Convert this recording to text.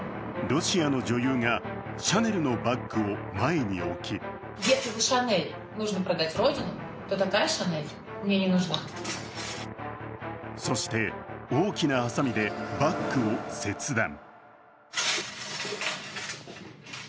ロシアの女優がシャネルのバッグを前に置きそして、大きなはさみでバッグを切断。